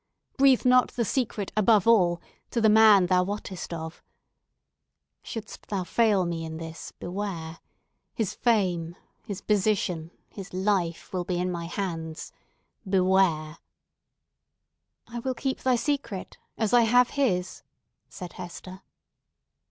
Breathe not the secret, above all, to the man thou wottest of. Shouldst thou fail me in this, beware! His fame, his position, his life will be in my hands. Beware!" "I will keep thy secret, as I have his," said Hester.